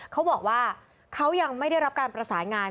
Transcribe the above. เขาบอกว่าเขายังไม่ได้รับการประสานงาน